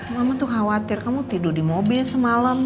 mama tuh khawatir kamu tidur di mobil semalam